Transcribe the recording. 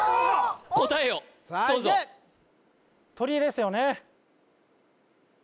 答えをどうぞ鳥ですよね？